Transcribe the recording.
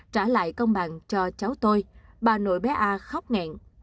trả lại công bằng cho cháu tôi bà nội bé a khóc nghẹn